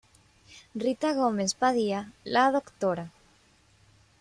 Rita Gómez Padilla, la Dra.